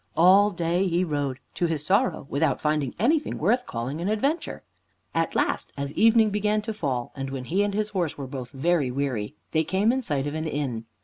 All day he rode, to his sorrow without finding anything worth calling an adventure. At last as evening began to fall, and when he and his horse were both very weary, they came in sight of an inn.